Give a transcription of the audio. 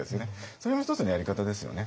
それも一つのやり方ですよね。